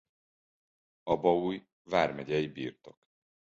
Abaúj vármegyei birtok.